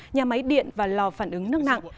nhà máy điện và lò phản ứng nước nặng